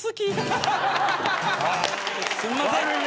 すいません！